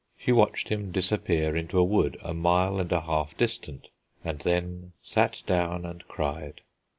She watched him disappear into a wood a mile and a half distant, and then sat down and cried.